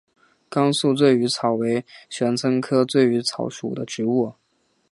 甘肃醉鱼草为玄参科醉鱼草属的植物。